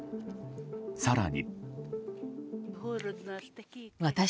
更に。